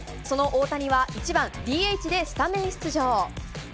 その大谷は１番ＤＨでスタメン出場。